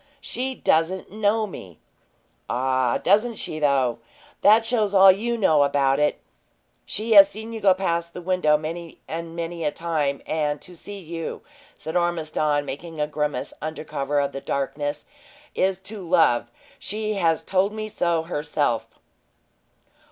"She doesn't know me." "Ah, doesn't she, though? That shows all you know about it! She has seen you go past the window many and many a time; and to see you," said Ormiston, making a grimace undercover of the darkness, "is to love! She told me so herself."